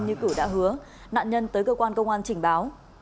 như cửu đã hứa nạn nhân tới cơ quan công an trình báo